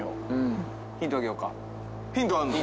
ヒントあんの？